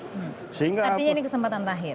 artinya ini kesempatan terakhir